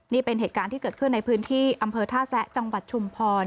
นี่เป็นเหตุการณ์ที่เกิดขึ้นในพื้นที่อำเภอท่าแซะจังหวัดชุมพร